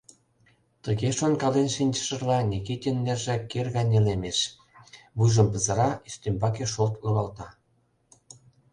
Тыге шонкален шинчышыжла, Никитинын нерже кир гай нелемеш, вуйжым пызыра, ӱстембаке шолт логалта.